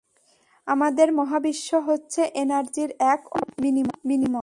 আমাদের মহাবিশ্ব হচ্ছে এনার্জির এক অবিরাম বিনিময়।